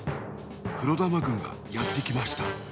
黒玉軍がやってきました。